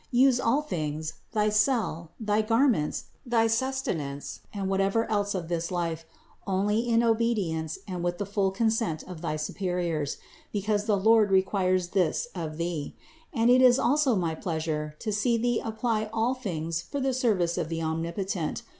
Use all things, thy cell, thy garments, thy sustenance, and whatever else of this life, only in obedience and with the full consent of thy superiors ; because the Lord requires this of thee ; and it is also my pleasure to see thee apply all things for the service of the Omnipotent.